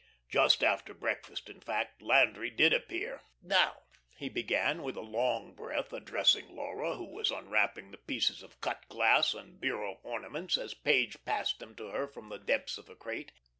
Just after breakfast, in fact, Landry did appear. "Now," he began, with a long breath, addressing Laura, who was unwrapping the pieces of cut glass and bureau ornaments as Page passed them to her from the depths of a crate.